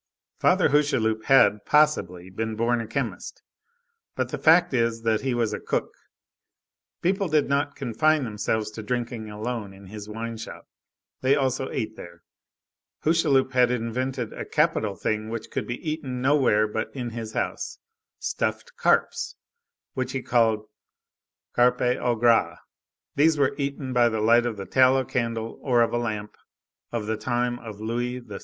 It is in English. Father Hucheloup had, possibly, been born a chemist, but the fact is that he was a cook; people did not confine themselves to drinking alone in his wine shop, they also ate there. Hucheloup had invented a capital thing which could be eaten nowhere but in his house, stuffed carps, which he called carpes au gras. These were eaten by the light of a tallow candle or of a lamp of the time of Louis XVI.